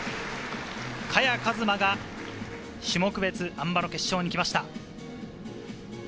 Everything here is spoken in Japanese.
萱和磨が種目別、あん馬の決勝に来ました。